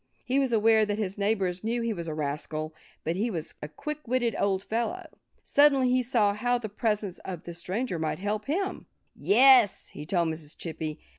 He was aware that his neighbors knew he was a rascal. But he was a quick witted old fellow. Suddenly he saw how the presence of this stranger might help him. "Yes!" he told Mrs. Chippy.